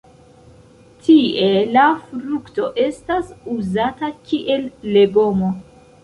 Tie la frukto estas uzata kiel legomo.